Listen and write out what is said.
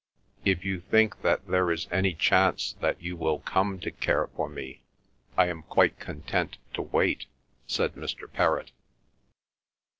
"If you think that there is any chance that you will come to care for me, I am quite content to wait," said Mr. Perrott.